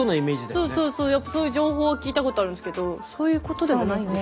そうそうそうやっぱそういう情報を聞いたことあるんですけどそういうことではないんですか？